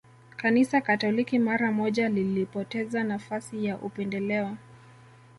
Kanisa Katoliki mara moja lilipoteza nafasi ya upendeleo